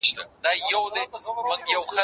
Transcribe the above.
زه پرون د کتابتون لپاره کار وکړل!.